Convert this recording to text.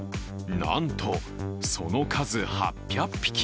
なんとその数８００匹。